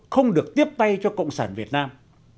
không được tiếp tay cho cộng sản việt nam